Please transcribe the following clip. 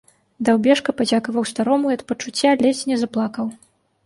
Даўбешка падзякаваў старому і ад пачуцця ледзь не заплакаў.